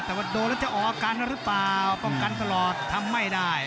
แต่ว่าโดนแล้วจะออกอาการหรือเปล่าป้องกันตลอดทำไม่ได้